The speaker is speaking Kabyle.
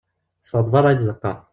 Teffeɣ-d berra i tzeqqa.